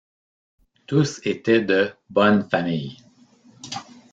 Tous étaient de 'bonne famille'.